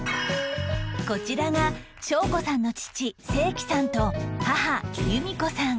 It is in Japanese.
こちらがしょうこさんの父正機さんと母由見子さん